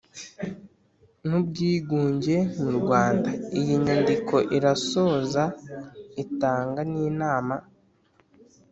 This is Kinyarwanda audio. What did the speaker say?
N ubwigunge mu rwanda iyi nyandiko irasoza itanga n inama